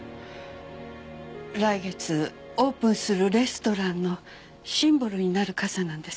来月オープンするレストランのシンボルになる傘なんです。